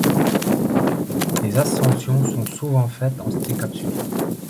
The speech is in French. Les ascensions sont souvent faites en style capsule.